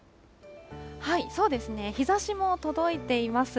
そうですね、日ざしも届いています。